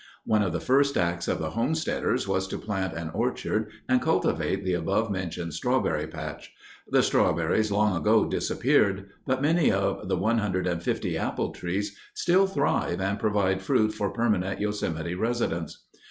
One of the first acts of the homesteaders was to plant an orchard and cultivate the above mentioned strawberry patch. The strawberries long ago disappeared, but many of the one hundred and fifty apple trees still thrive and provide fruit for permanent Yosemite residents.